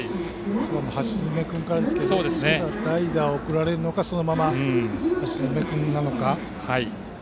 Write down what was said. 橋詰君からですが代打を送られるのかそのまま橋詰君なのか。